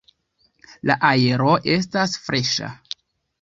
La aero estas freŝa.